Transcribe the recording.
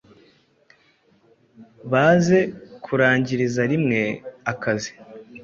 baze kurangiriza rimwe akazi